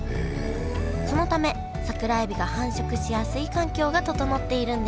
そのため桜えびが繁殖しやすい環境が整っているんです